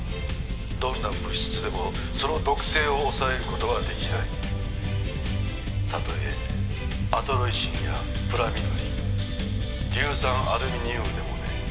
「どんな物質でもその毒性を抑える事は出来ない」「たとえアトロイシンやプラミドリン」「硫酸アルミニウムでもね」